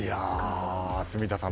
住田さん